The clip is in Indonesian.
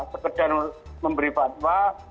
sekedar memberi fatwa